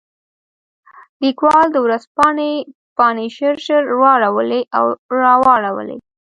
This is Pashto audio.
لیکوال د ورځپاڼې پاڼې ژر ژر واړولې او راواړولې.